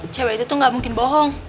cewek itu tuh gak mungkin bohong